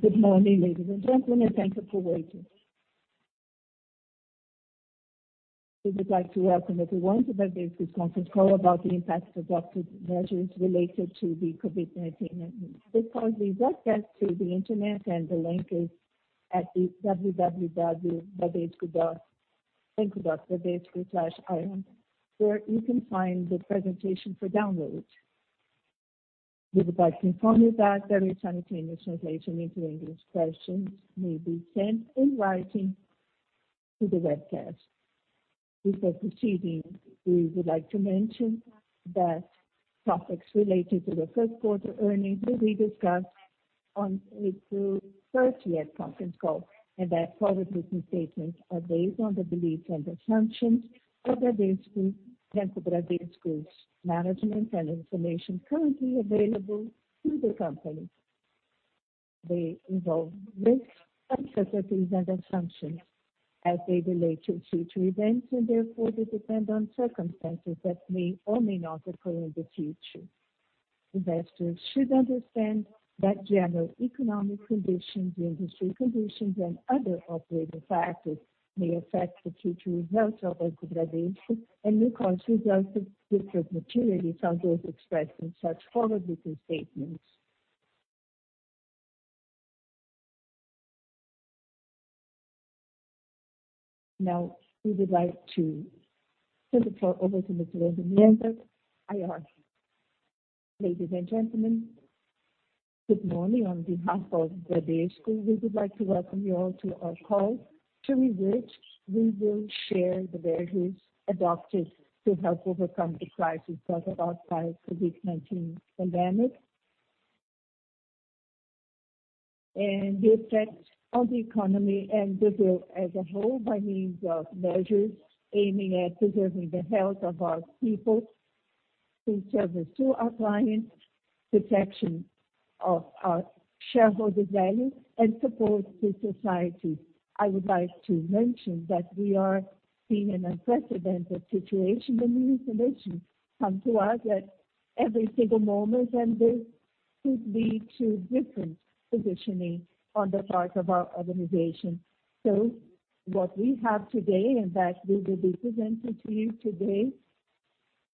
Good morning, ladies and gentlemen. Thank you for waiting. We would like to welcome everyone to Bradesco's conference call about the impacts adopted measures related to the COVID-19. This call is broadcast through the internet, and the link is at www.bradesco.com.br/ir, where you can find the presentation for download. We would like to inform you that there is simultaneous translation into English. Questions may be sent in writing to the webcast. Before proceeding, we would like to mention that topics related to the first quarter earnings will be discussed on April 30th conference call, and that forward-looking statements are based on the beliefs and assumptions of Bradesco and Bradesco's management and information currently available to the company. They involve risks, uncertainties, and assumptions as they relate to future events, and therefore they depend on circumstances that may or may not occur in the future. Investors should understand that general economic conditions, industry conditions, and other operating factors may affect the future results of Bradesco and may cause results to differ materially from those expressed in such forward-looking statements. Now we would like to turn the floor over to Ms. Leandro, IR. Ladies and gentlemen, good morning. On behalf of Bradesco, we would like to welcome you all to our call. During this, we will share the measures adopted to help overcome the crisis brought about by the COVID-19 pandemic and the effect on the economy and the world as a whole, by means of measures aiming at preserving the health of our people, in service to our clients, protection of our shareholders' value, and support to society. I would like to mention that we are seeing an unprecedented situation, and new information come to us at every single moment. This could lead to different positioning on the part of our organization. What we have today, and that will be presented to you today,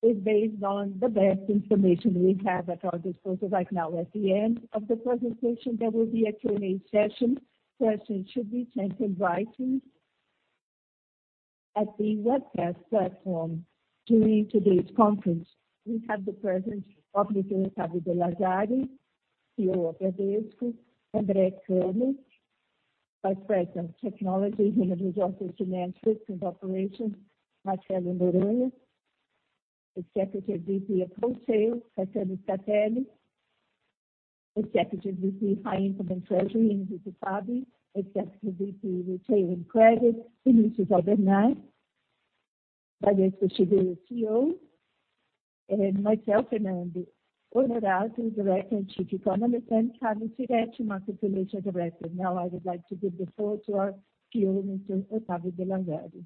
is based on the best information we have at our disposal right now. At the end of the presentation, there will be a Q&A session. Questions should be sent in writing at the webcast platform. During today's conference, we have the presence of Mr. Octavio de Lazari, CEO of Banco Bradesco, Andre Koerich, Vice President Technology, Human Resources, Finance, Risk, and Operations, Marcelo Noronha, Executive VP of Wholesale, Marcelo Cortelli, Executive VP High Income and Wealth, Eurico Fabri, Executive VP Retail and Credit, Vinicius Albernaz, Bradesco Seguros CEO and myself, Fernando Honorato, Director and Chief Economist, and Carlos Firetti, Market Solutions Director. Now I would like to give the floor to our CEO, Mr. Octavio de Lazari.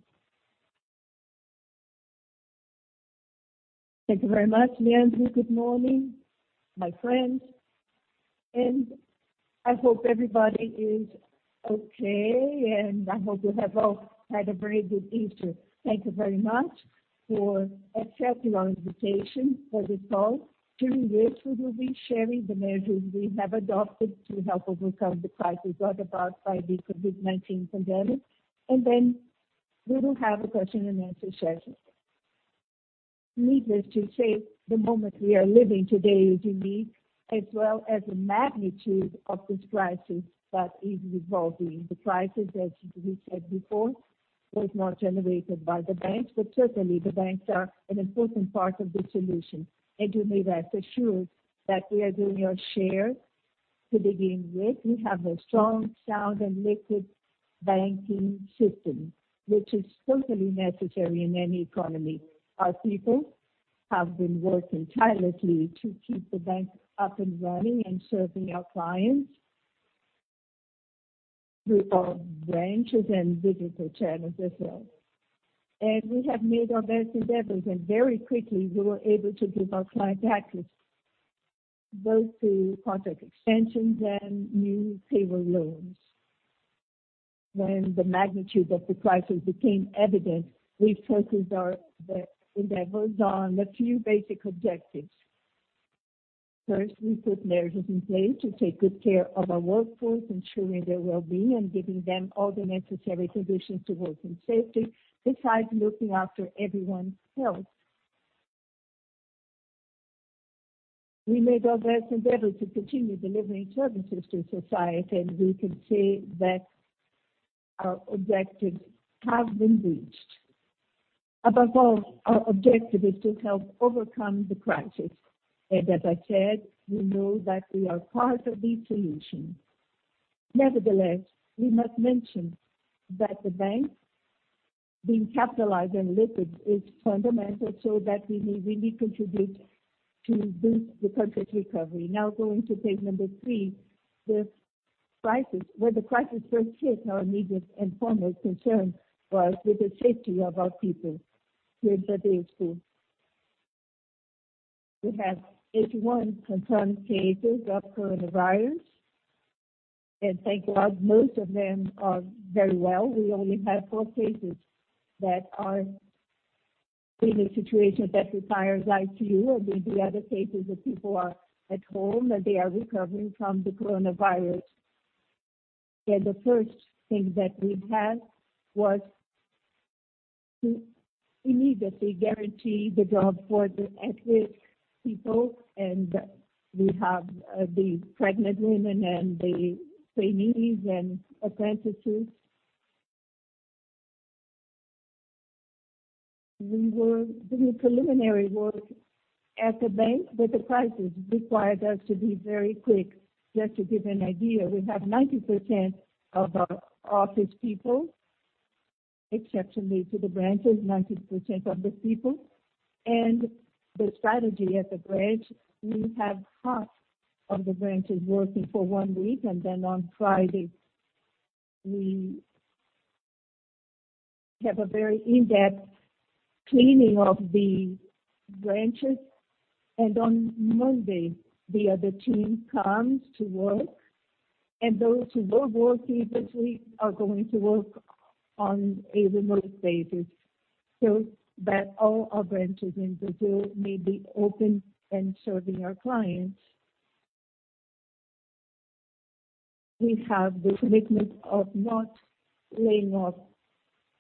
Thank you very much, Leandro. Good morning, my friends, and I hope everybody is okay, and I hope you have all had a very good Easter. Thank you very much for accepting our invitation for this call. During this, we will be sharing the measures we have adopted to help overcome the crisis brought about by the COVID-19 pandemic. We will have a question-and-answer session. Needless to say, the moment we are living today is unique, as well as the magnitude of this crisis that is evolving. The crisis, as we said before, was not generated by the banks, but certainly the banks are an important part of the solution, and you may rest assured that we are doing our share. To begin with, we have a strong, sound, and liquid banking system, which is totally necessary in any economy. Our people have been working tirelessly to keep the bank up and running and serving our clients through our branches and digital channels as well. We have made our best endeavors, and very quickly we were able to give our clients access both to project extensions and new payroll loans. When the magnitude of the crisis became evident, we focused our endeavors on a few basic objectives. First, we put measures in place to take good care of our workforce, ensuring their well-being and giving them all the necessary conditions to work in safety, besides looking after everyone's health. We made our best endeavor to continue delivering services to society, and we can say that our objectives have been reached. Above all, our objective is to help overcome the crisis. As I said, we know that we are part of the solution. Nevertheless, we must mention that the bank being capitalized and liquid is fundamental so that we may really contribute to boost the country's recovery. Going to page number three, when the crisis first hit, our immediate and foremost concern was with the safety of our people here at Bradesco. We have 81 confirmed cases of coronavirus, and thank God, most of them are very well. We only have four cases that are in a situation that requires ICU, and the other cases of people are at home, and they are recovering from the coronavirus. The first thing that we had was to immediately guarantee the job for the at-risk people, and we have the pregnant women and the trainees and apprentices. We were doing preliminary work at the bank, but the crisis required us to be very quick. Just to give you an idea, we have 90% of our office people, exceptionally to the branches, 90% of the people. The strategy at the branch, we have half of the branches working for one week, then on Friday, we have a very in-depth cleaning of the branches, and on Monday, the other team comes to work. Those who were working this week are going to work on a remote basis, so that all our branches in Brazil may be open and serving our clients. We have the commitment of not laying off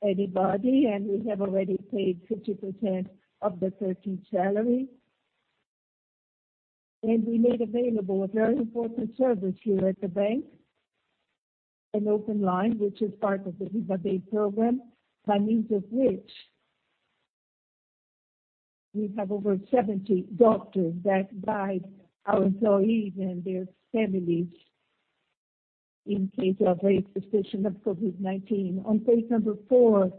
anybody, and we have already paid 50% of the 13th salary. We made available a very important service here at the bank, an open line, which is part of the BVA program, by means of which we have over 70 doctors that guide our employees and their families in case of a suspicion of COVID-19. On page number four,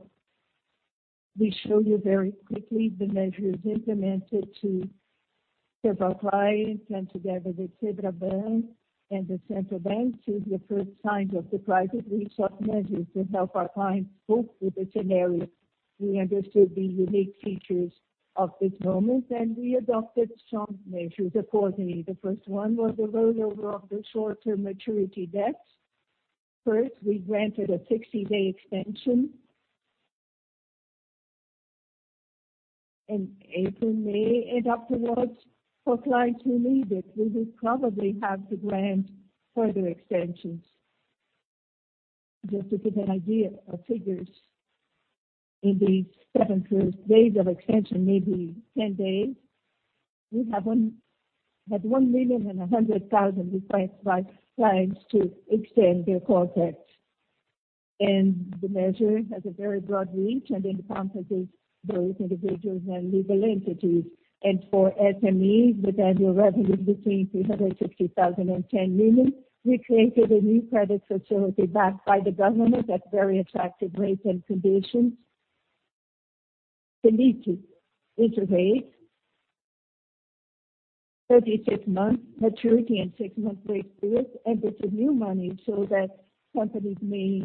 we show you very quickly the measures implemented to serve our clients, and together with BACEN and the Central Bank, to the first signs of the crisis, we sought measures to help our clients cope with the scenario. We understood the unique features of this moment, and we adopted some measures accordingly. The first one was the rollover of the short-term maturity debts. First, we granted a 60-day extension. In April, May, and afterwards, for clients who need it, we will probably have to grant further extensions. Just to give an idea of figures, in these seven first days of extension, maybe 10 days, we have had 1,100,000 requests by clients to extend their call debts. The measure has a very broad reach and encompasses both individuals and legal entities. For SMEs with annual revenue between 350,000 and 10 million, we created a new credit facility backed by the government at very attractive rates and conditions. The need to intervene, 36 months maturity and six months grace period. It's a new money so that companies may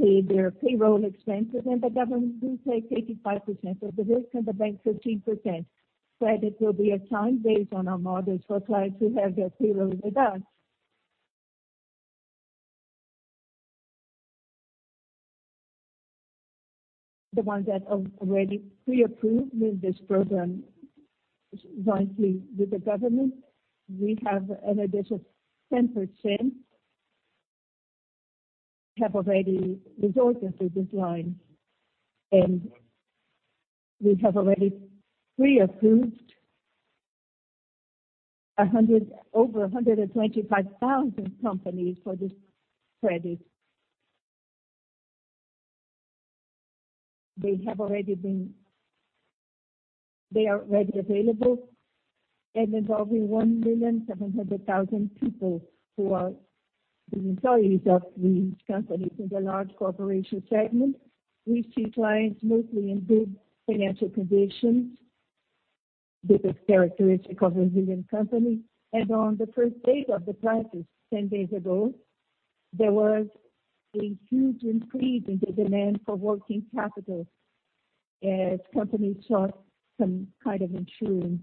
pay their payroll expenses. The government will take 85% of the risk and the bank 15%. Credit will be assigned based on our models for clients who have their payroll with us, the ones that are already pre-approved with this program jointly with the government. We have an additional 10% have already resorted to this line. We have already pre-approved over 125,000 companies for this credit. They are already available and involving 1,700,000 people who are the employees of these companies. In the large corporation segment, we see clients mostly in good financial conditions. The characteristic of Brazilian companies. On the first date of the crisis, 10 days ago, there was a huge increase in the demand for working capital as companies sought some kind of insurance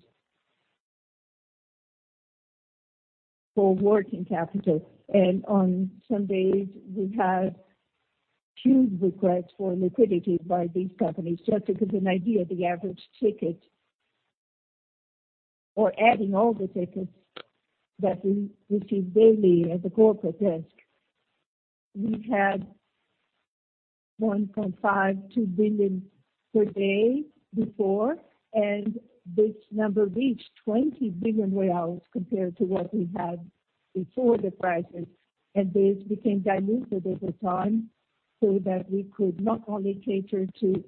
for working capital. On some days, we had huge requests for liquidity by these companies. Just to give you an idea of the average ticket, or adding all the tickets that we receive daily at the corporate desk, we had 1.5 billion, 2 billion per day before, and this number reached 20 billion compared to what we had before the crisis. This became diluted over time so that we could not only cater to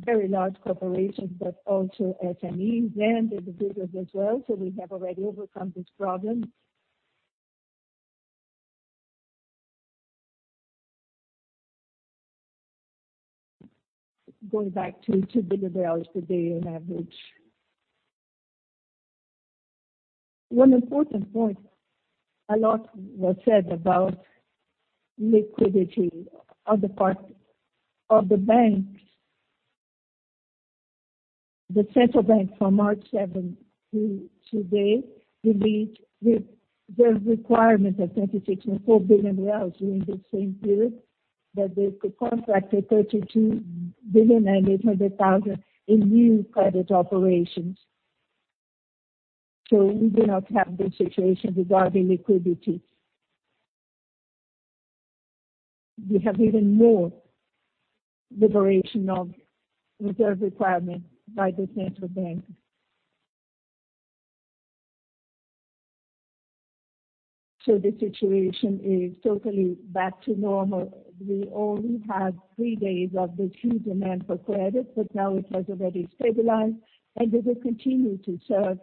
very large corporations but also SMEs and individuals as well. We have already overcome this problem. Going back to R$2 billion per day on average. One important point. A lot was said about liquidity on the part of the banks. The central bank from March seventh to today released the reserve requirement of R$26.4 billion during this same period. They could contract R$32 billion and 800,000 in new credit operations. We do not have this situation regarding liquidity. We have even more liberation of reserve requirement by the central bank. The situation is totally back to normal. We only had three days of this huge demand for credit. Now it has already stabilized, and we will continue to serve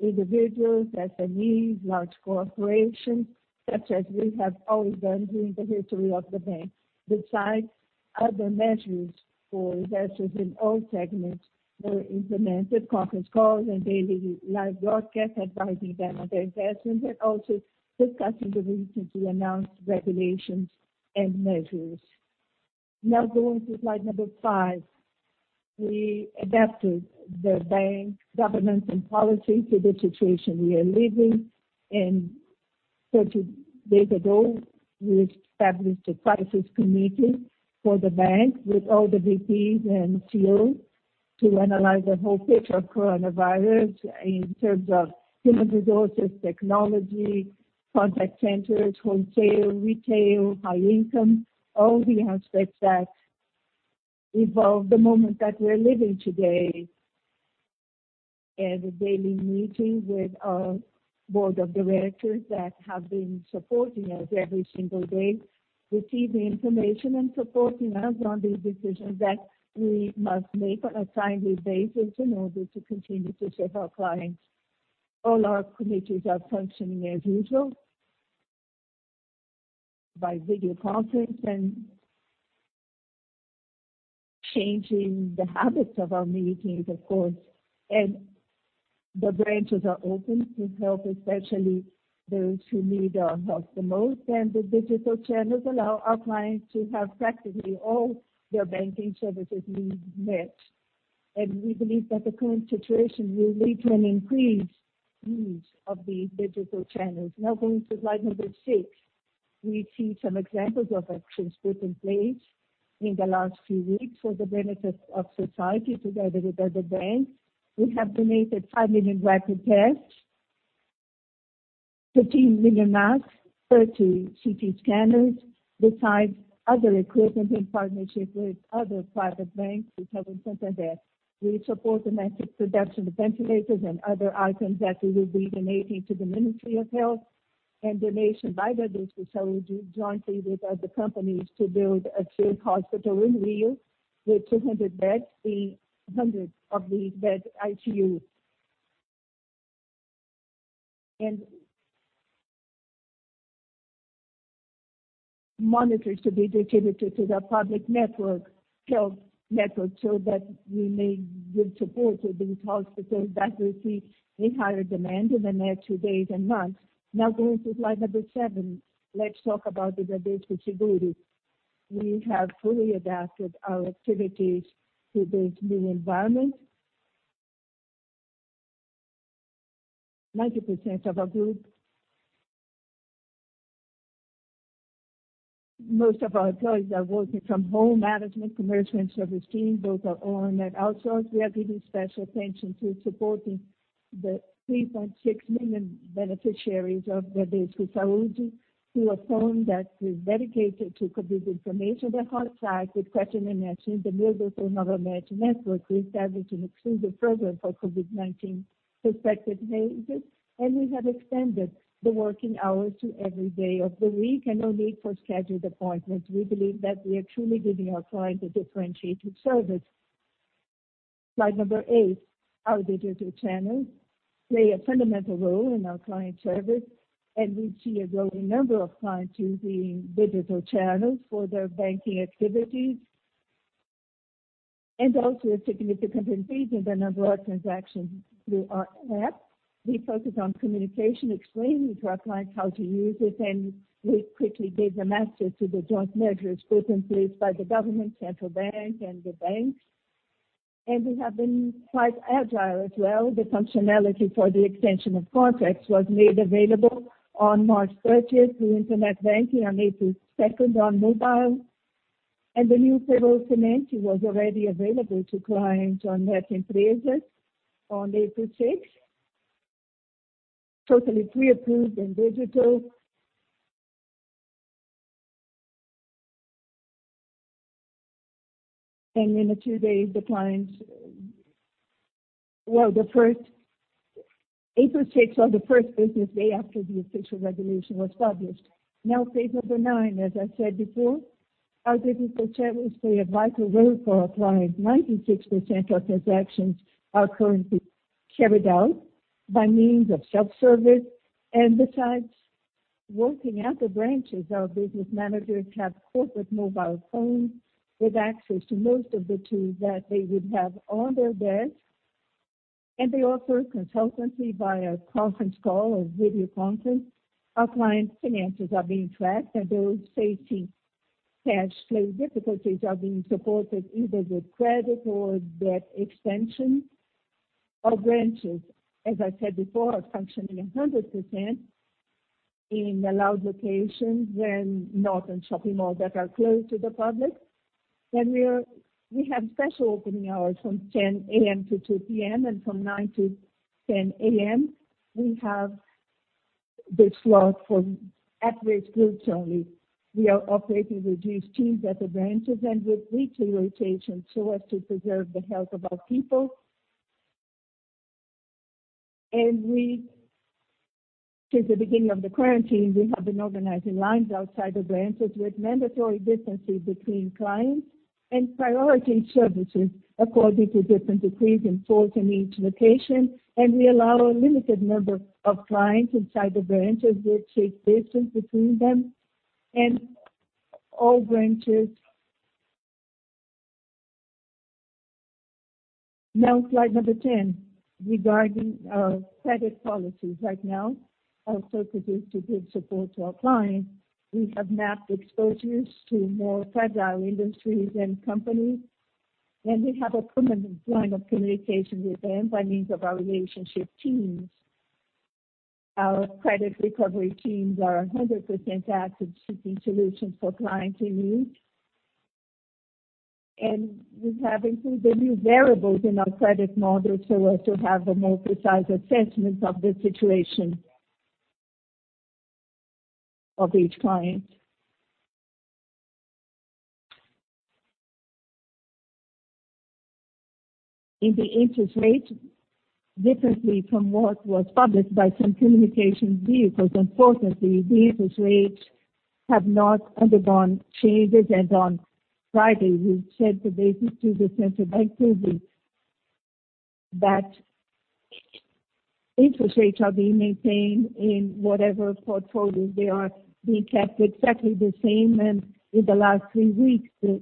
individuals, SMEs, large corporations, such as we have always done during the history of the bank. Besides other measures for investors in all segments were implemented, conference calls and daily live broadcasts advising them on their investments and also discussing the recently announced regulations and measures. Now going to slide number five. We adapted the bank's governance and policy to the situation we are living in. 30 days ago, we established a crisis committee for the bank with all the VPs and COs to analyze the whole picture of coronavirus in terms of human resources, technology, contact centers, wholesale, retail, high income, all the aspects that evolve the moment that we're living today. Daily meetings with our board of directors that have been supporting us every single day, receiving information and supporting us on these decisions that we must make on a timely basis in order to continue to serve our clients. All our committees are functioning as usual by video conference and changing the habits of our meetings, of course. The branches are open to help, especially those who need our help the most. The digital channels allow our clients to have practically all their banking services needs met. We believe that the current situation will lead to an increased use of these digital channels. Now going to slide number six. We see some examples of actions put in place in the last few weeks for the benefit of society together with other banks. We have donated 5 million rapid tests, 15 million masks, 30 CT scanners, besides other equipment in partnership with other private banks. At Bradesco Health Center, we support domestic production of ventilators and other items that we will be donating to the Ministry of Health and donation by Bradesco jointly with other companies to build a field hospital in Rio with 200 beds, 100 of these beds ICU. Monitors to be distributed to the public network, health network, so that we may give support to these hospitals that will see a higher demand in the next few days and months. Going to slide number seven. Let's talk about the Bradesco Seguros. We have fully adapted our activities to this new environment. 90% of our group, most of our employees are working from home, management, commercial and service teams, both our own and outsourced. We are giving special attention to supporting the 3.6 million beneficiaries of Bradesco Saúde through a phone that is dedicated to COVID information, the hotline with question-and-answers, the Meu Bradesco Nova Rede network. We established an exclusive program for COVID-19 suspected cases. We have extended the working hours to every day of the week and no need for scheduled appointments. We believe that we are truly giving our clients a differentiated service. Slide number eight. Our digital channels play a fundamental role in our client service. We see a growing number of clients using digital channels for their banking activities. Also a significant increase in the number of transactions through our app. We focus on communication, explaining to our clients how to use it, and we quickly gave an answer to the joint measures put in place by the government, Central Bank, and the banks. We have been quite agile as well. The functionality for the extension of contracts was made available on March 30th through internet banking, on April 2nd on mobile. The new payroll financing was already available to clients on Net Empresa on April 6th, totally pre-approved and digital. In a few days, the clients Well, April sixth was the first business day after the official regulation was published. Now, page number nine. As I said before, our digital channels play a vital role for our clients. 96% of transactions are currently carried out by means of self-service and besides working at the branches, our business managers have corporate mobile phones with access to most of the tools that they would have on their desk, and they offer consultancy via conference call or video conference. Our clients' finances are being tracked, and those facing cash flow difficulties are being supported either with credit or debt extension. Our branches, as I said before, are functioning 100% in allowed locations when not in shopping malls that are closed to the public. We have special opening hours from 10:00 A.M. to 2:00 P.M. and from 9:00 to 10:00 A.M., we have the slot for at-risk groups only. We are operating reduced teams at the branches and with weekly rotation so as to preserve the health of our people. Since the beginning of the quarantine, we have been organizing lines outside the branches with mandatory distancing between clients and priority services according to different decrees enforced in each location. We allow a limited number of clients inside the branches with safe distance between them and all branches. Slide number 10, regarding our credit policies. Right now, our focus is to give support to our clients. We have mapped exposures to more federal industries and companies, and we have a permanent line of communication with them by means of our relationship teams. Our credit recovery teams are 100% active, seeking solutions for clients in need. We have included new variables in our credit model so as to have a more precise assessment of the situation of each client. In the interest rates, differently from what was published by some communication vehicles, importantly, the interest rates have not undergone changes, and on Friday, we said to BACEN, to the Central Bank too, that interest rates are being maintained in whatever portfolios they are being kept exactly the same, and in the last three weeks, the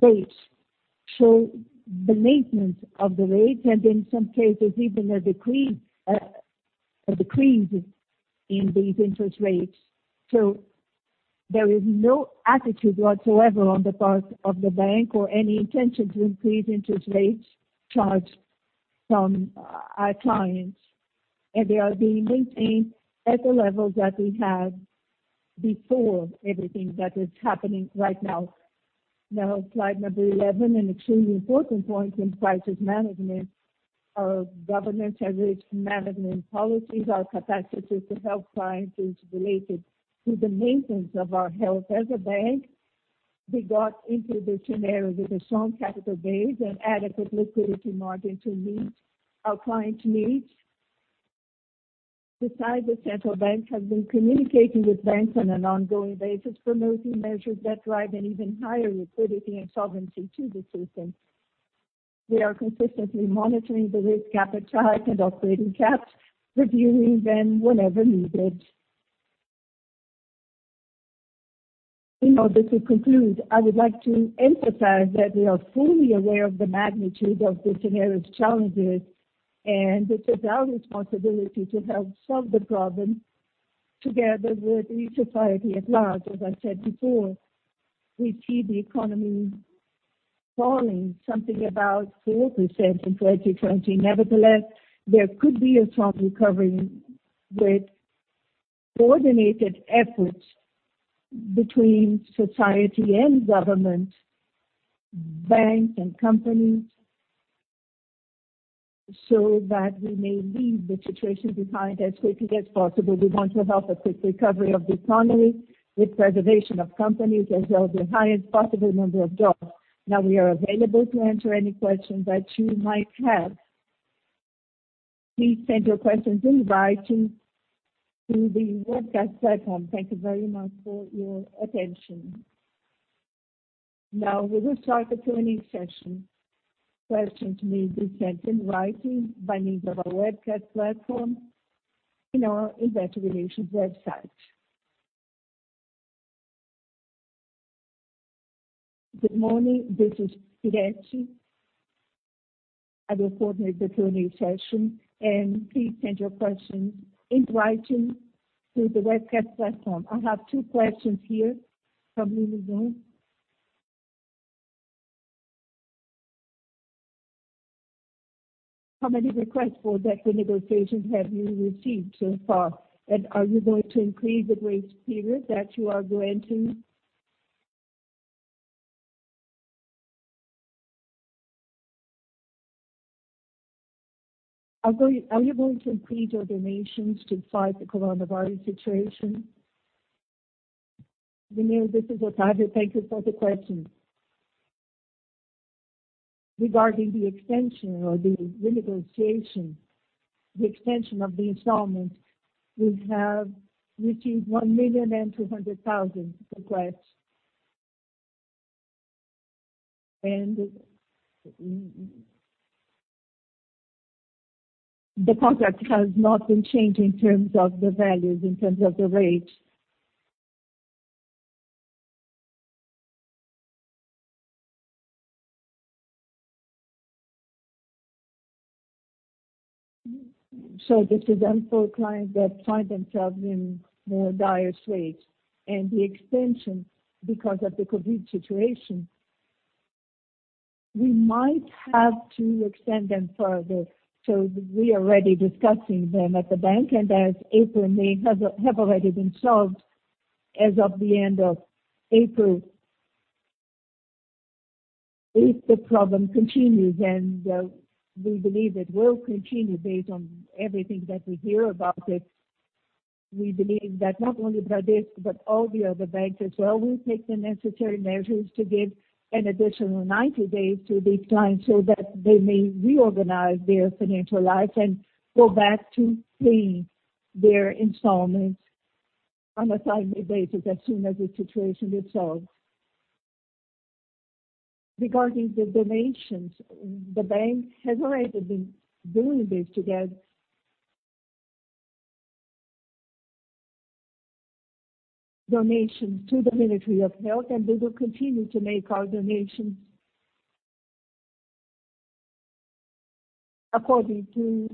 rates. The maintenance of the rates and in some cases, even a decrease in these interest rates. There is no attitude whatsoever on the part of the bank or any intention to increase interest rates charged from our clients. They are being maintained at the levels that we had before everything that is happening right now. Slide number 11, an extremely important point in crisis management. Our governance and risk management policies, our capacity to help clients is related to the maintenance of our health as a bank. We got into this scenario with a strong capital base and adequate liquidity margin to meet our clients' needs. Besides, the Central Bank has been communicating with banks on an ongoing basis, promoting measures that drive an even higher liquidity and solvency to the system. We are consistently monitoring the risk appetite and operating caps, reviewing them whenever needed. In order to conclude, I would like to emphasize that we are fully aware of the magnitude of this scenario's challenges, and it is our responsibility to help solve the problem together with the society at large. As I said before, we see the economy falling something about 4% in 2020. There could be a strong recovery with coordinated efforts between society and government, banks and companies, so that we may leave the situation behind as quickly as possible. We want to have a quick recovery of the economy with preservation of companies as well as the highest possible number of jobs. We are available to answer any questions that you might have. Please send your questions in writing to the webcast platform. Thank you very much for your attention. We will start the Q&A session. Questions may be sent in writing by means of our webcast platform in our investor relations website. Good morning. This is Irene. I will coordinate the Q&A session. Please send your questions in writing through the webcast platform. I have two questions here from the room. How many requests for debt renegotiation have you received so far? Are you going to increase the grace period that you are granting? Are you going to increase your donations to fight the coronavirus situation? Good evening. This is Octavio. Thank you for the question. Regarding the extension or the renegotiation, the extension of the installment, we have received 1,200,000 requests. The contract has not been changed in terms of the values, in terms of the rates. This is then for clients that find themselves in more dire straits and the extension because of the COVID-19 situation, we might have to extend them further. We are already discussing them at the bank, and as April and May have already been solved as of the end of April. If the problem continues, and we believe it will continue based on everything that we hear about it, we believe that not only Bradesco, but all the other banks as well, will take the necessary measures to give an additional 90 days to these clients so that they may reorganize their financial life and go back to paying their installments on a timely basis as soon as the situation resolves. Regarding the donations, the bank has already been doing this to the donations to the Ministry of Health, and we will continue to make our donations according to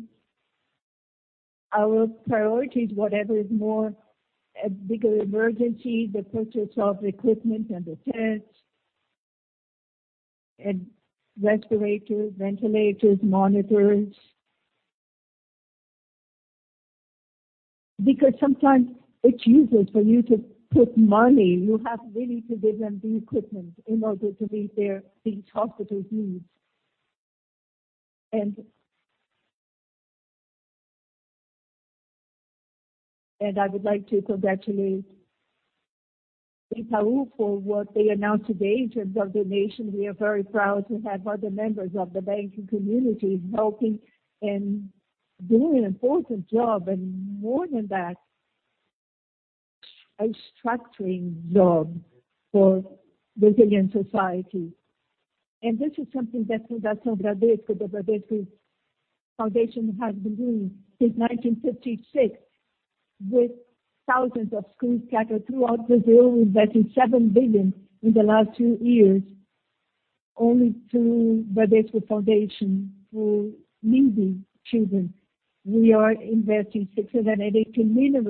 our priorities, whatever is more a bigger emergency, the purchase of equipment and the tests and respirators, ventilators, monitors. Because sometimes it's useless for you to put money. You have really to give them the equipment in order to meet each hospital's needs. I would like to congratulate Itaú for what they announced today in terms of donation. We are very proud to have other members of the banking community helping and doing an important job and more than that, a structuring job for Brazilian society. This is something that Fundação Bradesco, the Bradesco Foundation, has been doing since 1956 with thousands of schools scattered throughout Brazil, investing 7 billion in the last two years only to Bradesco Foundation for needy children. We are investing BRL 682 million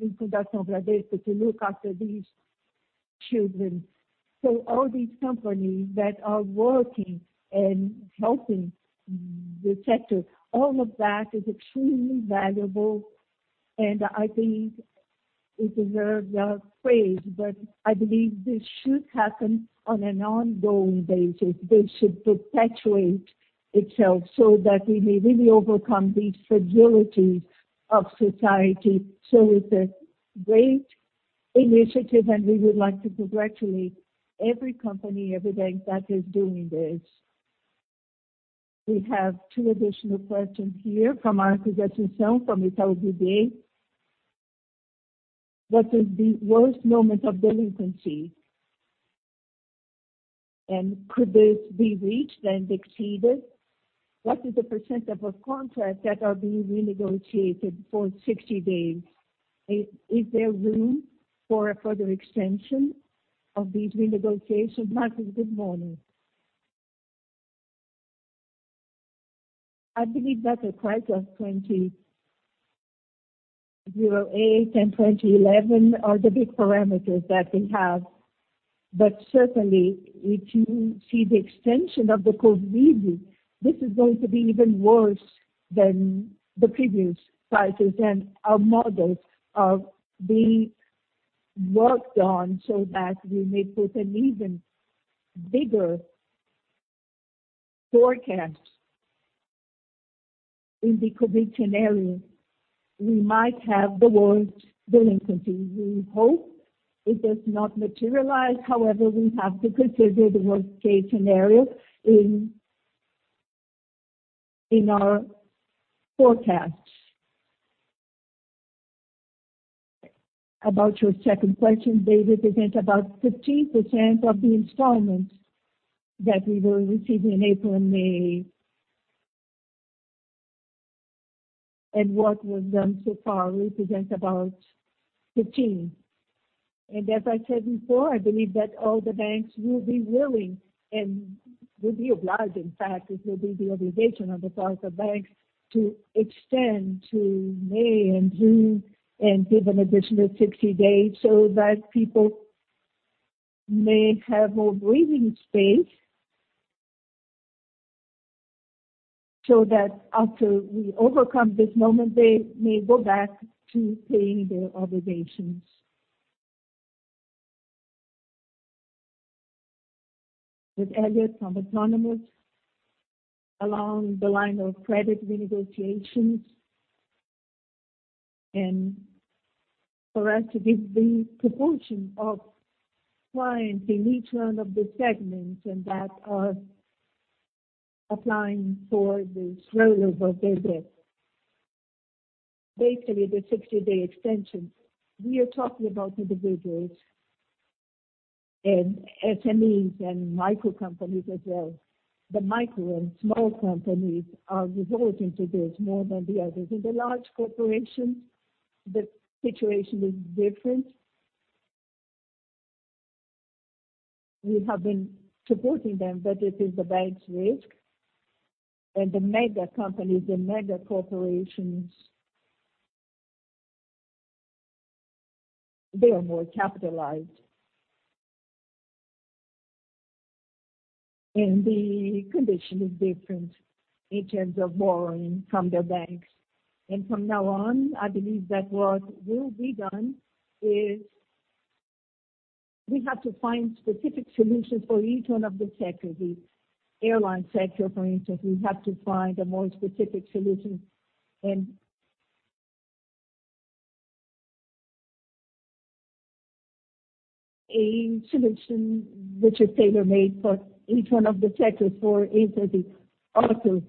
in Fundação Bradesco to look after these children. All these companies that are working and helping the sector, all of that is extremely valuable, and I think it deserves our praise, but I believe this should happen on an ongoing basis. This should perpetuate itself so that we may really overcome these fragilities of society. It's a great initiative, and we would like to congratulate every company, every bank that is doing this. We have two additional questions here from Marcos Sayegh, from Itaú BBA. What is the worst moment of delinquency, and could this be reached and exceeded? What is the percentage of contracts that are being renegotiated for 60 days? Is there room for a further extension of these renegotiations? Marcus, good morning. Certainly, if you see the extension of the COVID, this is going to be even worse than the previous crises, and our models are being worked on so that we may put an even bigger forecast in the COVID scenario. We might have the worst delinquency. We hope it does not materialize. However, we have to consider the worst-case scenario in our forecasts. About your second question, they represent about 15% of the installments that we will receive in April and May. What was done so far represents about 15%. As I said before, I believe that all the banks will be willing and will be obliged, in fact, it will be the obligation on the part of banks to extend to May and June and give an additional 60 days so that people may have more breathing space, so that after we overcome this moment, they may go back to paying their obligations. With Elliot from Autonomous. Along the line of credit renegotiations, for us to give the proportion of clients in each one of the segments and that are applying for this rollover, basically, the 60-day extension, we are talking about individuals and SMEs and micro companies as well. The micro and small companies are resorting to this more than the others. In the large corporations, the situation is different. We have been supporting them, but it is the bank's risk. The mega companies, the mega corporations, they are more capitalized. The condition is different in terms of borrowing from the banks. From now on, I believe that what will be done is we have to find specific solutions for each one of the sectors. The airline sector, for instance, we have to find a more specific solution. A solution which is tailor-made for each one of the sectors. For instance, the auto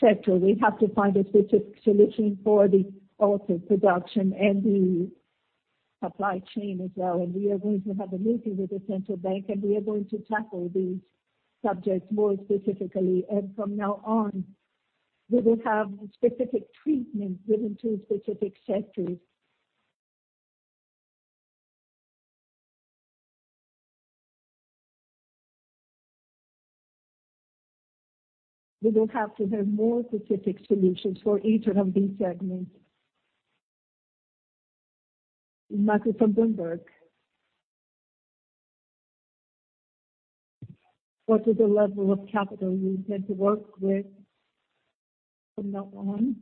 sector, we have to find a specific solution for the auto production and the supply chain as well. We are going to have a meeting with the Central Bank, and we are going to tackle these subjects more specifically. From now on, we will have specific treatment given to specific sectors. We will have to have more specific solutions for each one of these segments. Michael from Bloomberg. What is the level of capital we intend to work with from now on?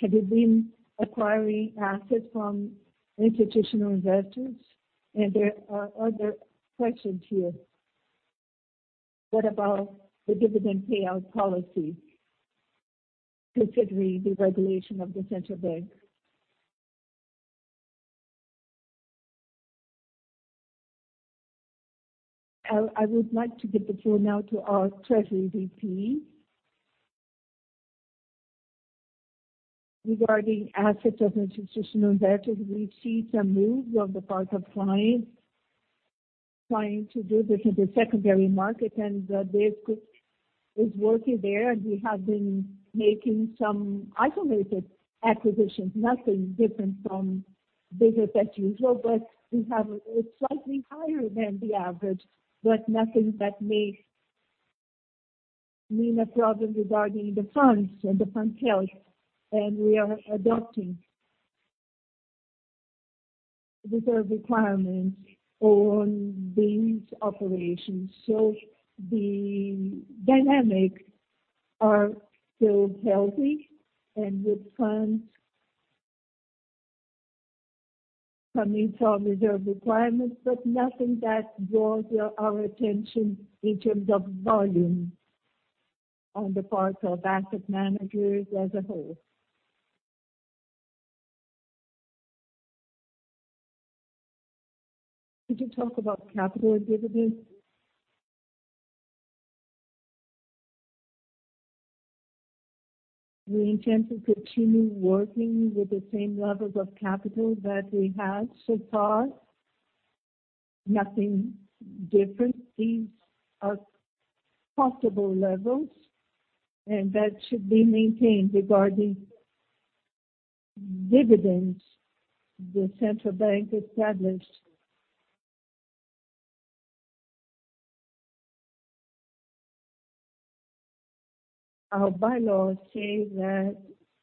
Have you been acquiring assets from institutional investors? There are other questions here. What about the dividend payout policy considering the regulation of the Central Bank? I would like to give the floor now to our treasury VP. Regarding assets of institutional investors, we see some moves on the part of clients trying to do this in the secondary market, and Bradesco is working there, and we have been making some isolated acquisitions. Nothing different from business as usual, but we have a slightly higher than the average, but nothing that may mean a problem regarding the funds and the fund health. We are adopting reserve requirements on these operations. The dynamics are still healthy and with funds coming from reserve requirements, but nothing that draws our attention in terms of volume on the part of asset managers as a whole. Could you talk about capital and dividends? We intend to continue working with the same levels of capital that we have so far. Nothing different. These are possible levels, and that should be maintained. Regarding dividends, the Central Bank established our bylaws say that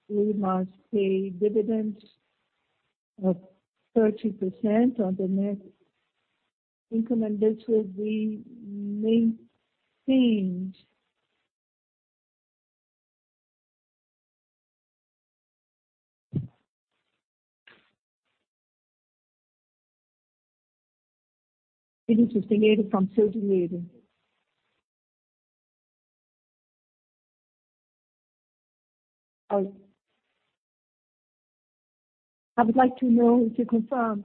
we must pay dividends of 30% on the net income, and this will be maintained. Denise from O Estado. I would like to know if you confirm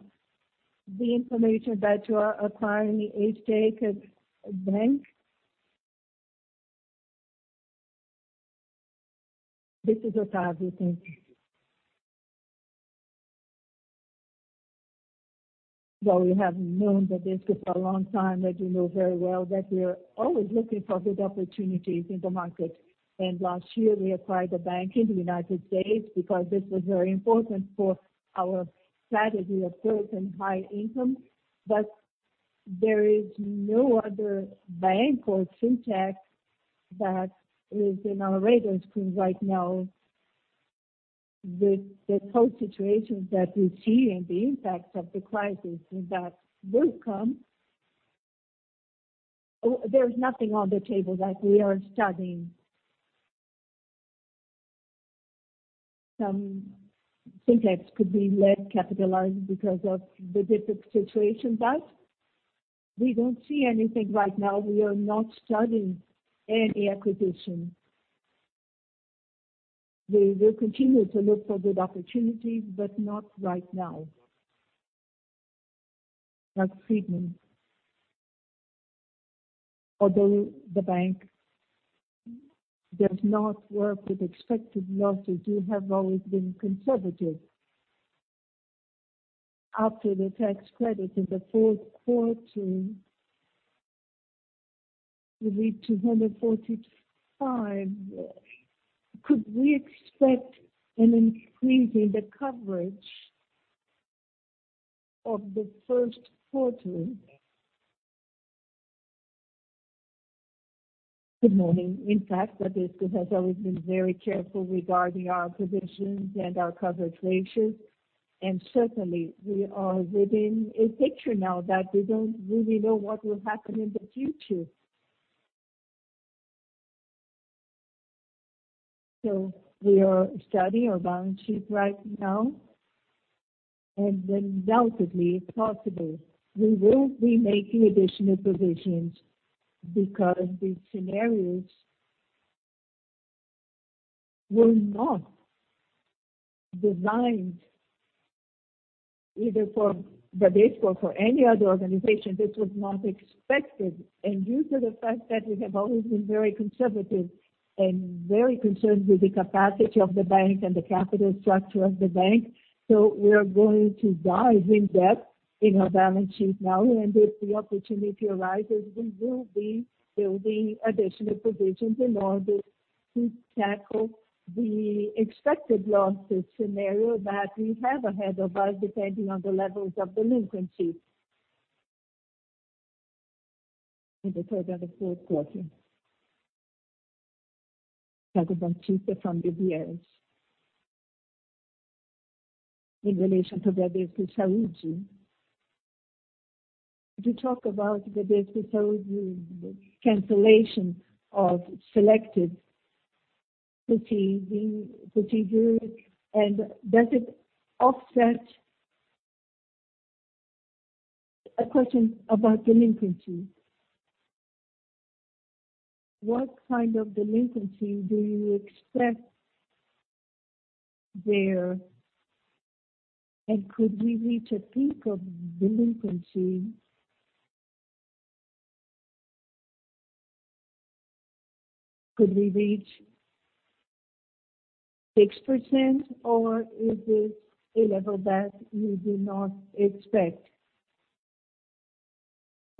the information that you are acquiring the HSBC Bank. This is Octavio. Thank you. Well, we have known the Bradesco for a long time, and you know very well that we are always looking for good opportunities in the market. Last year we acquired a bank in the United States because this was very important for our strategy of growth and high income. There is no other bank or fintech that is in our radar screen right now with the tough situations that we see and the impacts of the crisis that will come. There's nothing on the table that we are studying. Some fintechs could be less capitalized because of the difficult situation, but we don't see anything right now. We are not studying any acquisition. We will continue to look for good opportunities, but not right now. Mark Friedman. Although the bank does not work with expected losses, we have always been conservative. After the tax credit in the fourth quarter, we read 245. Could we expect an increase in the coverage of the first quarter? Good morning. In fact, Bradesco has always been very careful regarding our provisions and our coverages. Certainly, we are within a picture now that we don't really know what will happen in the future. We are studying our balance sheet right now, and then undoubtedly, if possible, we will be making additional provisions because these scenarios were not designed either for Bradesco or for any other organization. This was not expected. Due to the fact that we have always been very conservative and very concerned with the capacity of the bank and the capital structure of the bank. We are going to dive in depth in our balance sheet now, and if the opportunity arises, we will be building additional provisions in order to tackle the expected losses scenario that we have ahead of us, depending on the levels of delinquency in the third and the fourth quarter. Thiago Batista from UBS. In relation to Bradesco Seguros. Could you talk about Bradesco Seguros' cancellation of selected procedures, and does it offset? A question about delinquency. What kind of delinquency do you expect there, and could we reach a peak of delinquency? Could we reach 6%, or is this a level that you do not expect?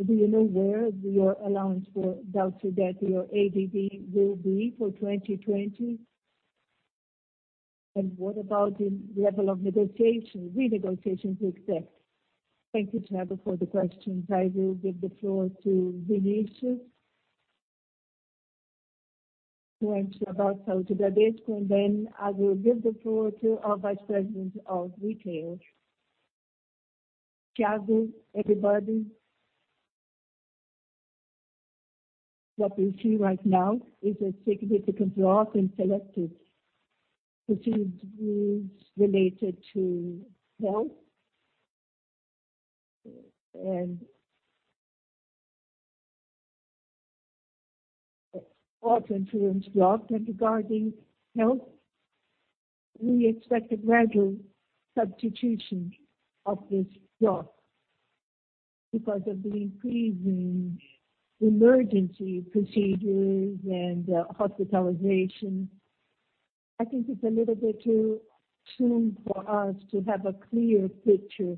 Do you know where your allowance for doubtful debt, your ADD, will be for 2020? What about the level of negotiations, renegotiations you expect? Thank you, Thiago, for the questions. I will give the floor to Vinicius to answer about Bradesco Seguros, and then I will give the floor to our Vice President of Retail. Thiago. Everybody. What we see right now is a significant drop in selected procedures related to health and auto insurance drop. Regarding health, we expect a gradual substitution of this drop because of the increasing emergency procedures and hospitalizations. I think it's a little bit too soon for us to have a clear picture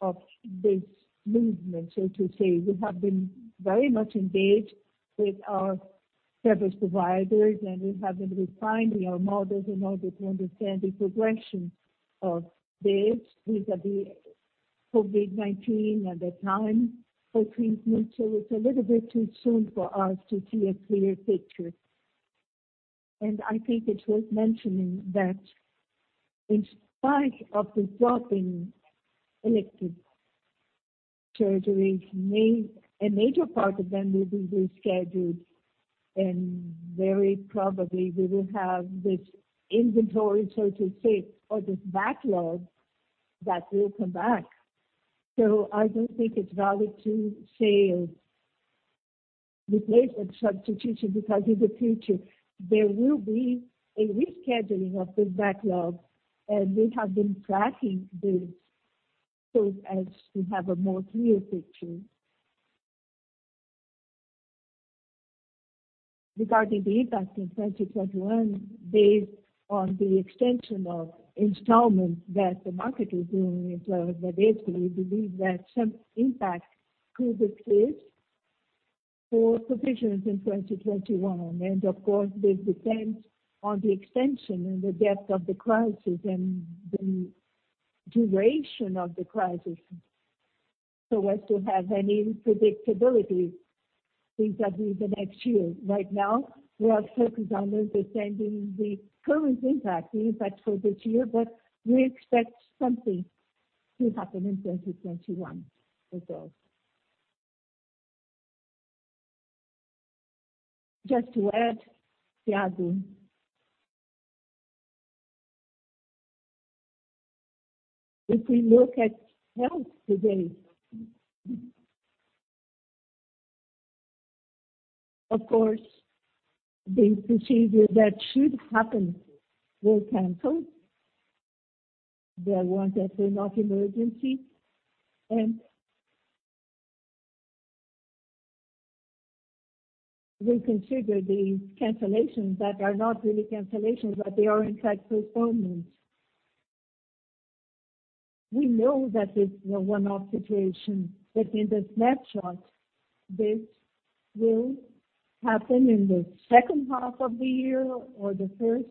of this movement, so to say. We have been very much engaged with our service providers, and we have been refining our models in order to understand the progression of this vis-à-vis COVID-19 and the time for treatment. It's a little bit too soon for us to see a clear picture. I think it's worth mentioning that in spite of the drop in elective surgeries, a major part of them will be rescheduled, and very probably we will have this inventory, so to say, or this backlog that will come back. I don't think it's valid to say replacement substitution, because in the future, there will be a rescheduling of this backlog, and we have been tracking this so as to have a more clear picture. Regarding the impact in 2021, based on the extension of installments that the market is doing in Bradesco, we believe that some impact could exist for provisions in 2021. Of course, this depends on the extension and the depth of the crisis and the duration of the crisis, so as to have any predictability vis-à-vis the next year. Right now, we are focused on understanding the current impact, the impact for this year, but we expect something to happen in 2021 as well. Just to add, Thiago. If we look at health today. Of course, the procedure that should happen were canceled. There weren't as they're not emergency. We consider these cancellations that are not really cancellations, but they are in fact postponements. We know that this is a one-off situation. In the snapshot, this will happen in the second half of the year or the first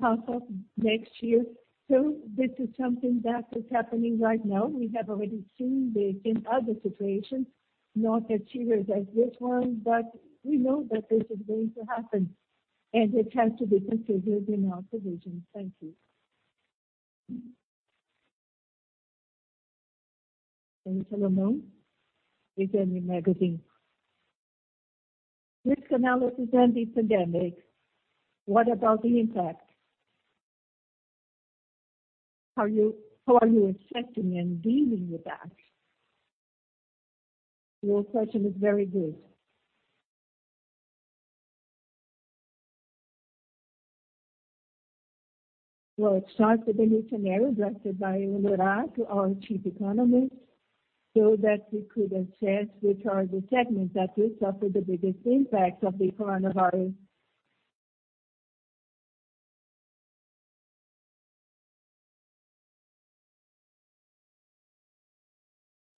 half of next year. This is something that is happening right now. We have already seen this in other situations, not as serious as this one, but we know that this is going to happen, and it has to be considered in our provisions. Thank you. Angela Nou with NV Magazine. Risk analysis and the pandemic, what about the impact? How are you expecting and dealing with that? Your question is very good. It started a mission addressed by our Chief Economist, so that we could assess which are the segments that will suffer the biggest impact of the coronavirus.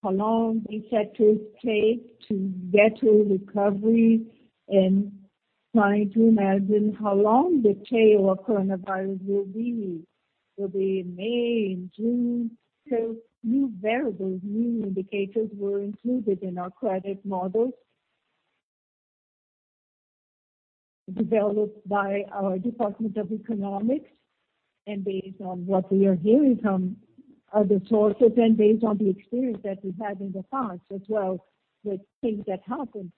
How long these sectors take to get to recovery and trying to imagine how long the tail of coronavirus will be. Will be in May, in June? New variables, new indicators were included in our credit models developed by our Department of Economics and based on what we are hearing from other sources and based on the experience that we had in the past as well with things that happened.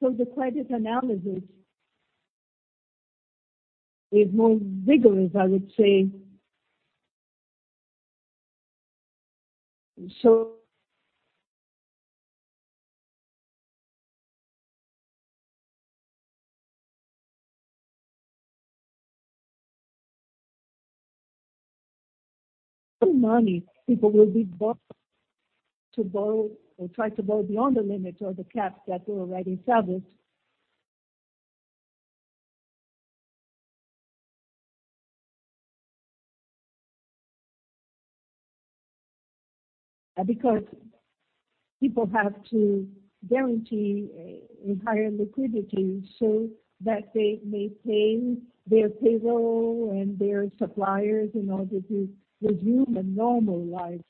The credit analysis is more vigorous, I would say. Money, people will be brought to borrow or try to borrow beyond the limits or the caps that they already established. Because people have to guarantee a higher liquidity so that they may pay their payroll and their suppliers in order to resume a normal life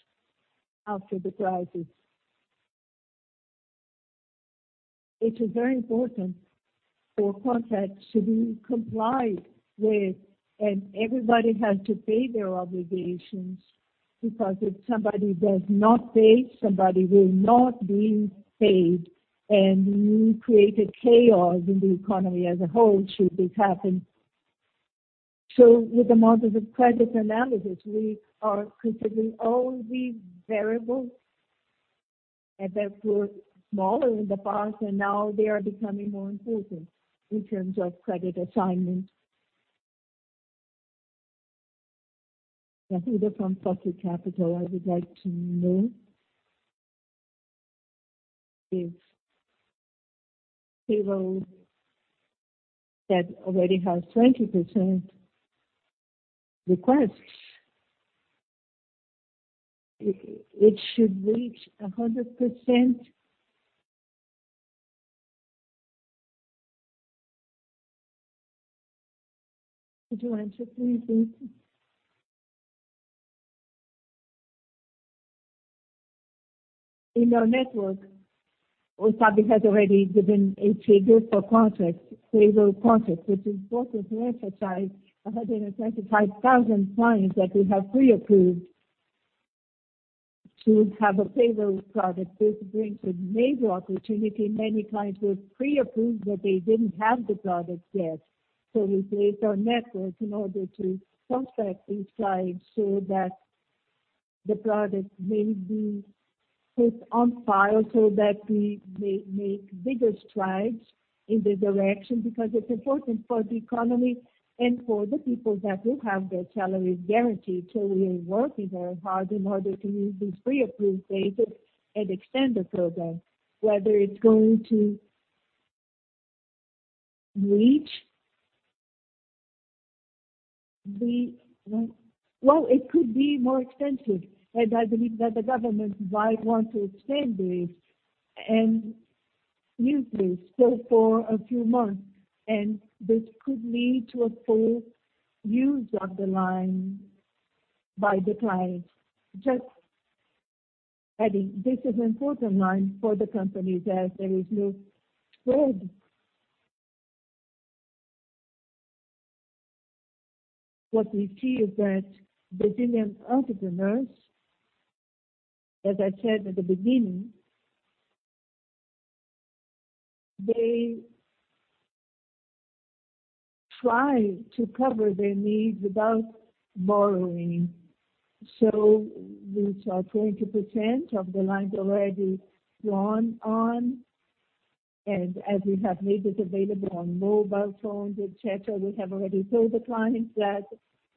after the crisis. It is very important for contracts to be complied with, and everybody has to pay their obligations because if somebody does not pay, somebody will not be paid, and we create a chaos in the economy as a whole should this happen. With the methods of credit analysis, we are considering all these variables that were smaller in the past, and now they are becoming more important in terms of credit assignment. Yahida from Folha Capital. I would like to know if payroll that already has 20% requests, it should reach 100%? Could you answer, please? In our network, Oswald has already given a trigger for payroll contracts, which is important to emphasize 125,000 clients that we have pre-approved to have a payroll product. This brings a major opportunity. Many clients were pre-approved, but they didn't have the product yet. We placed our network in order to prospect these clients so that the product may be put on file so that we may make bigger strides in this direction because it's important for the economy and for the people that will have their salaries guaranteed. We are working very hard in order to use these pre-approved bases and extend the program. Whether it's going to reach the Well, it could be more expensive, and I believe that the government might want to extend this and use this still for a few months, and this could lead to a full use of the line by the clients. Just adding, this is important line for the companies as there is no spread. What we see is that Brazilian entrepreneurs, as I said at the beginning, they try to cover their needs without borrowing. These are 20% of the lines already drawn on, and as we have made this available on mobile phones, et cetera, we have already told the clients that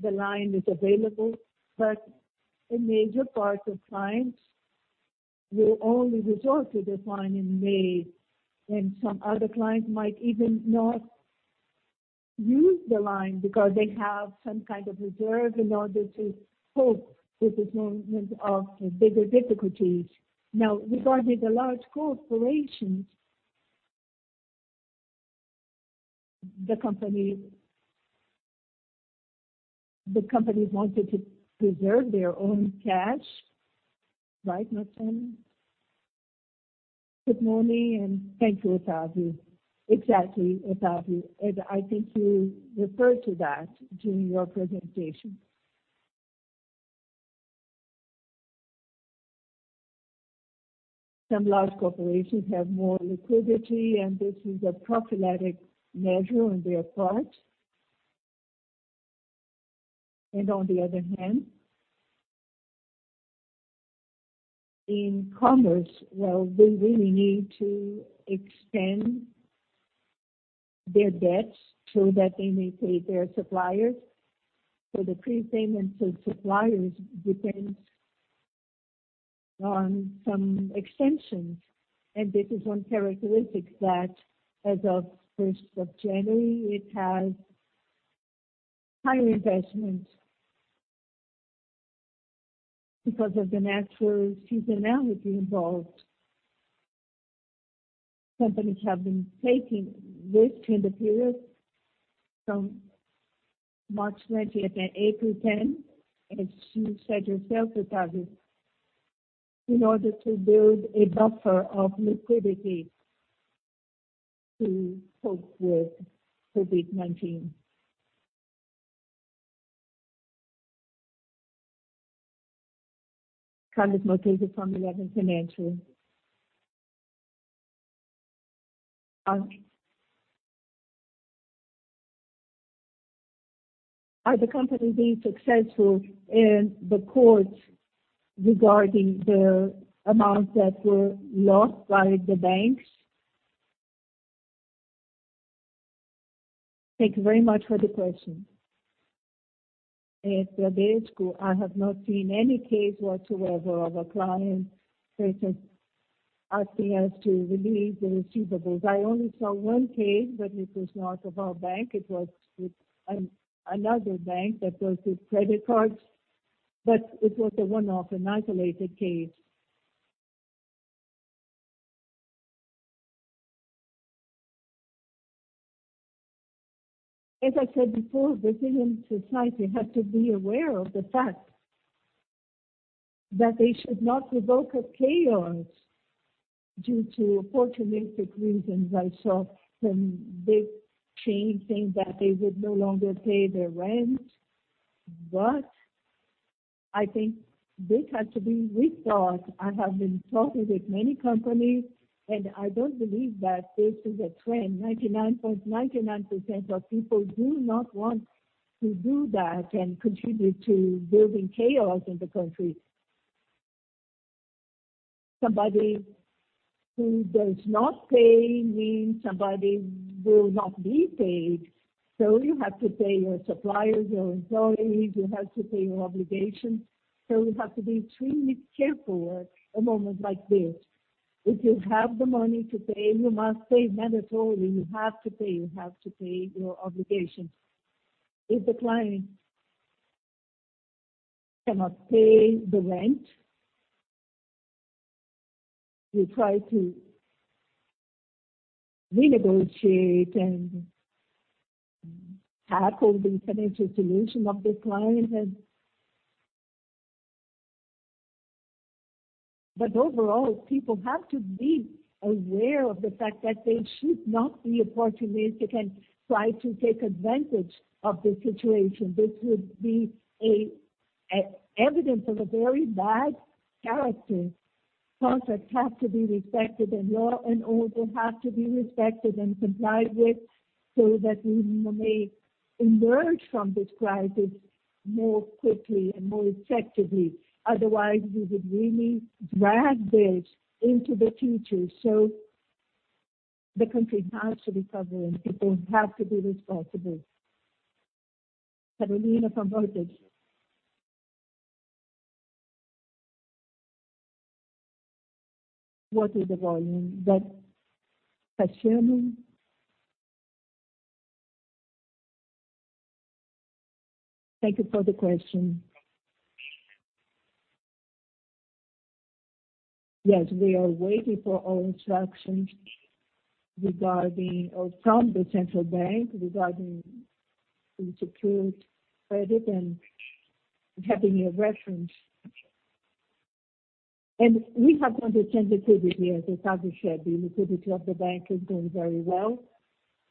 the line is available, but a major part of clients will only resort to this line in May, and some other clients might even not use the line because they have some kind of reserve in order to cope with this moment of bigger difficulties. Regarding the large corporations, the companies wanted to preserve their own cash. Right, Marcelo? Good morning, and thank you, Octavio. Exactly, Octavio, and I think you referred to that during your presentation. Some large corporations have more liquidity, and this is a prophylactic measure on their part. On the other hand, in commerce, well, they really need to extend their debts so that they may pay their suppliers. The prepayment of suppliers depends on some extensions, and this is one characteristic that as of 1st of January, it has higher investment because of the natural seasonality involved. Companies have been taking this tender period from March 20th and April 10th, as you said yourself, Octavio, in order to build a buffer of liquidity to cope with COVID-19. Carlos Mouta, from Eleven Financial. Are the companies being successful in the courts regarding the amounts that were lost by the banks? Thank you very much for the question. At Bradesco, I have not seen any case whatsoever of a client asking us to relieve the receivables. I only saw one case, but it was not of our bank. It was with another bank that does the credit cards, but it was a one-off, an isolated case. As I said before, Brazilian society has to be aware of the fact that they should not provoke a chaos due to opportunistic reasons. I saw some big chains saying that they would no longer pay their rent. I think this has to be rethought. I have been talking with many companies, and I don't believe that this is a trend. 99.99% of people do not want to do that and contribute to building chaos in the country. Somebody who does not pay means somebody will not be paid. You have to pay your suppliers, your employees, you have to pay your obligations. You have to be extremely careful at a moment like this. If you have the money to pay, you must pay mandatorily. You have to pay. You have to pay your obligations. If the client cannot pay the rent, we try to renegotiate and tackle the financial situation of this client. Overall, people have to be aware of the fact that they should not be opportunistic and try to take advantage of this situation. This would be evidence of a very bad character. Contracts have to be respected, and law and order have to be respected and complied with so that we may emerge from this crisis more quickly and more effectively. Otherwise, we would really drag this into the future. The country has to recover, and people have to be responsible. Carolina from Reuters. What is the volume that-- Marcelo? Thank you for the question. Yes, we are waiting for all instructions from the Central Bank regarding the secured credit and having a reference. We have plenty of liquidity, as Octavio said. The liquidity of the bank is doing very well.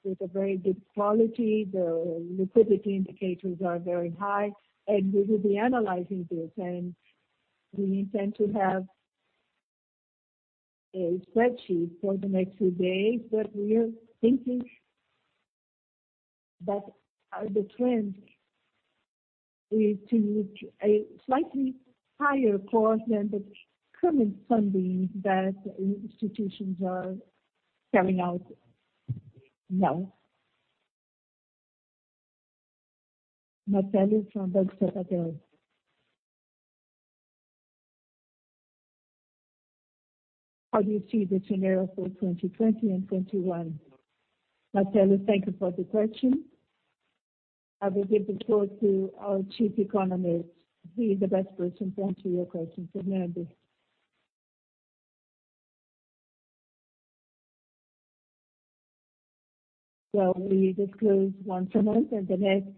With a very good quality, the liquidity indicators are very high, and we will be analyzing this, and we intend to have a spreadsheet for the next few days, but we are thinking that the trend is to a slightly higher cost than the current funding that institutions are carrying out now. Matheus from Banco Santander. How do you see the scenario for 2020 and 2021? Matheus, thank you for the question. I will give the floor to our chief economist. He is the best person to answer your question. Nery. We disclose once a month, and the next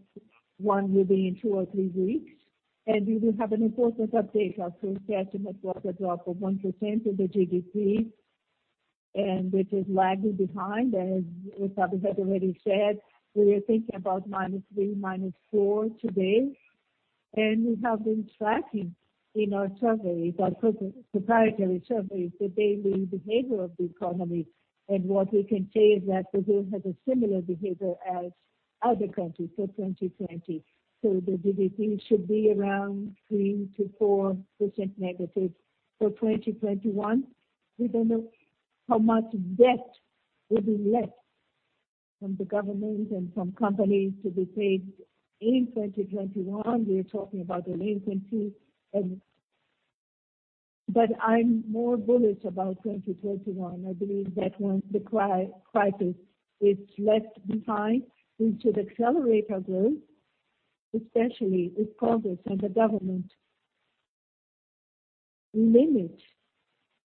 one will be in two or three weeks, and we will have an important update. Our first estimate was a drop of 1% of the GDP, and which is lagging behind, as Leandro has already said. We are thinking about -3%, -4% today. We have been tracking in our surveys, our proprietary surveys, the daily behavior of the economy. What we can say is that Brazil has a similar behavior as other countries for 2020. The GDP should be around 3% to 4% negative. For 2021, we don't know how much debt will be left from the government and from companies to be paid in 2021. We are talking about in 2022. I'm more bullish about 2021. I believe that once the crisis is left behind, we should accelerate our growth, especially if Congress and the government limit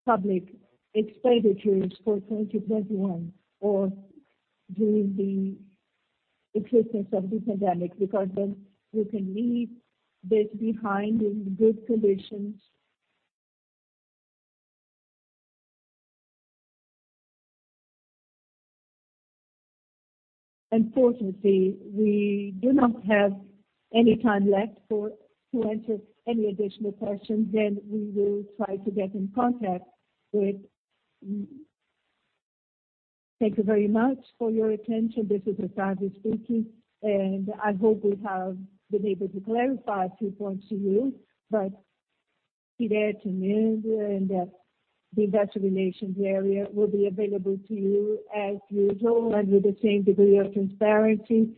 public expenditures for 2021 or during the existence of this pandemic, because then we can leave this behind in good conditions. Unfortunately, we do not have any time left to answer any additional questions. We will try to get in contact with you. Thank you very much for your attention. This is Leandro speaking, and I hope we have been able to clarify a few points to you. Be there to Nery and the investor relations area will be available to you as usual and with the same degree of transparency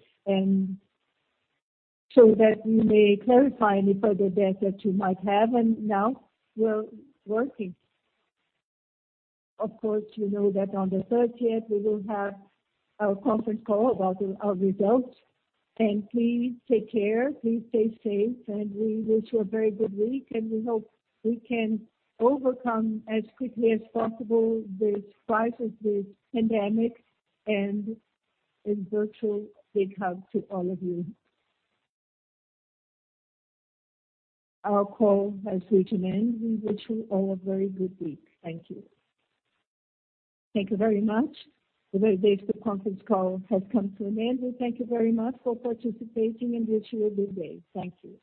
and so that we may clarify any further doubts that you might have. Now we're working. Of course, you know that on the 30th, we will have our conference call about our results. Please take care, please stay safe, and we wish you a very good week, and we hope we can overcome as quickly as possible this crisis, this pandemic. A virtual big hug to all of you. Our call has reached an end. We wish you all a very good week. Thank you. Thank you very much. The Bradesco conference call has come to an end. We thank you very much for participating and wish you a good day. Thank you.